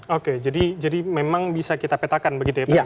oke jadi memang bisa kita petakan begitu ya pak